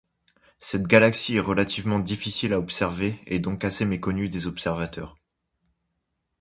Cette galaxie est relativement difficile à observer et donc assez méconnue des observateurs.